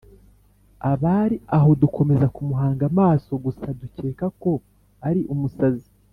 abari aho dukomeza kumuhanga amaso gusa dukeka ko ari umusazi